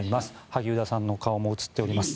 萩生田さんの顔も映っております。